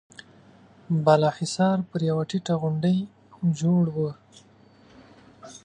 بالا حصار پر يوه ټيټه غونډۍ جوړ و.